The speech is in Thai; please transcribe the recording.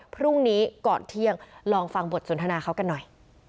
พรุ่งนี้ก่อนเที่ยงลองฟังบทสนทนาเขากันหน่อย